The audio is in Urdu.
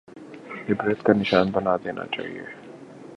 عبرت کا نشان بنا دینا چاہیے؟